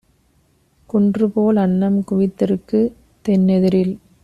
குன்றுபோல் அன்னம் குவித்திருக்கு தென்னெதிரில்!